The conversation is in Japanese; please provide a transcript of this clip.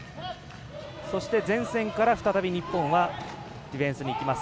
前線から再び日本はディフェンスにいきます。